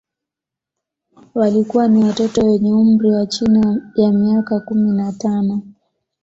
Walikuwa ni watoto wenye umri wa chini ya miaka kumi na tano